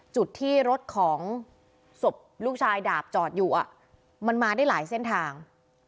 จุดที่รถของศพลูกชายดาบจอดอยู่มันมาได้หลายเส้นทาง